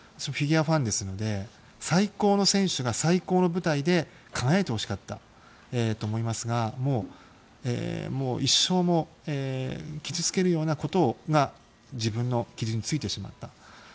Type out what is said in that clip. フィギュアファンですので最高の選手が最高の舞台で輝いてほしかったと思いますがもう、一生を傷つけるようなことが自分の傷についてしまった。